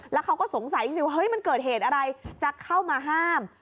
แล้วเขาก็สงสัยสิเฮ้ยมันเกิดเหตุอะไรจะเข้ามาห้าม